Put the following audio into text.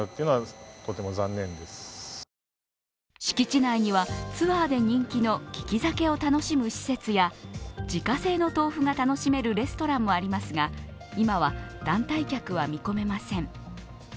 敷地内にはツアーで人気の利き酒を楽しむ施設や、自家製の豆腐が楽しめるレストランもありますが、今は団体客は見込めません。